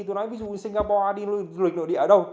tôi nói ví dụ như singapore đi du lịch nội địa ở đâu